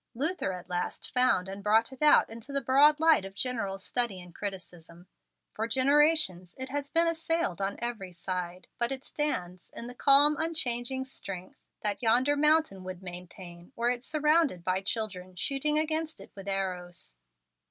Luther at last found and brought it out into the broad light of general study and criticism. For generations it has been assailed on every side, but it stands in the calm, unchanging strength that yonder mountain would maintain, were it surrounded by children shooting against it with arrows.